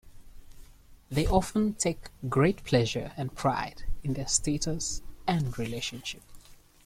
They often take great pleasure and pride in their status and relationship.